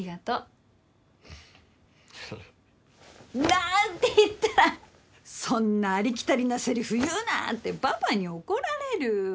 なんて言ったら「そんなありきたりなせりふ言うな」ってパパに怒られる。